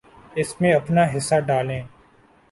اس میں اپنا حصہ ڈالیں۔